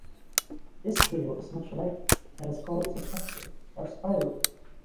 This wheel is much lighter, and is called a suspension or spider wheel.